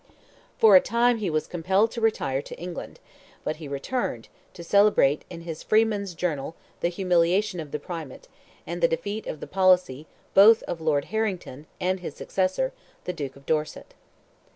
For a time he was compelled to retire to England; but he returned, to celebrate in his Freeman's Journal the humiliation of the primate, and the defeat of the policy both of Lord Harrington, and his successor, the Duke of Dorset.